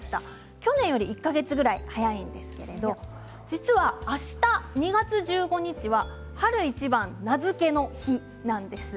去年より１か月ぐらい早いんですけれど実は、あした２月１５日は春一番名付けの日なんです。